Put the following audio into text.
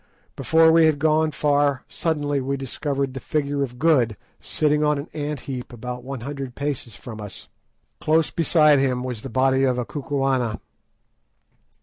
Before we had gone far, suddenly we discovered the figure of Good sitting on an ant heap about one hundred paces from us. Close beside him was the body of a Kukuana.